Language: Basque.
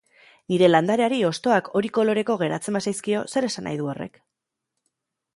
Nire landareari hostoak hori koloreko geratzen bazaizkio, zer esan nahi du horrek?